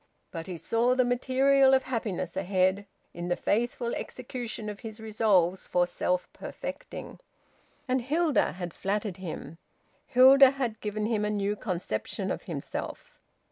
But he saw the material of happiness ahead, in the faithful execution of his resolves for self perfecting. And Hilda had flattered him. Hilda had given him a new conception of himself...